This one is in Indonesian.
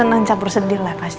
jangan campur sendiri lah pasti